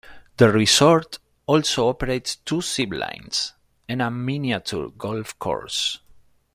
The resort also operates two zip lines and a miniature golf course.